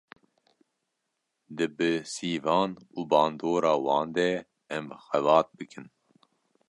Di bi sîvan û bandora wan de em xebat bikin